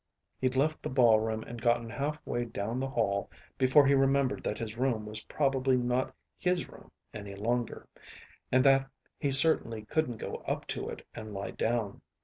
He'd left the ballroom and gotten halfway down the hall before he remembered that his room was probably not his room any longer. And that he certainly couldn't go up to it and lie down.